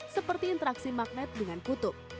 seperti interaksi magnet dengan kutub